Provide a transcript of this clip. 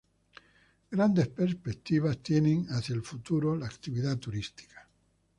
Grandes perspectivas tiene hacia el futuro la actividad turística.